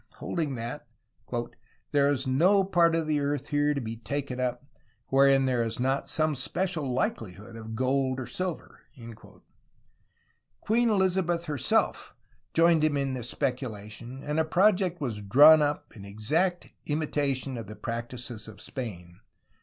— holding that "there is no part of the earth here to bee taken up, wherein there is not some special likelihood of gold or silver." Queen Elizabeth herself joined him in this speculation, and a project was drawn up in exact imitation of the practices of Spain.